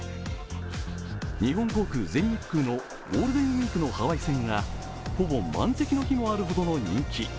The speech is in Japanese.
日本航空・全日空のゴールデンウイークのハワイ線がほぼ満席の日もあるほどの人気。